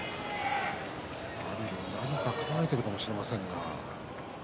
阿炎が何か考えているかもしれませんが。